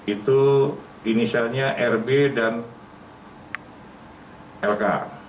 itu inisialnya r b dan l k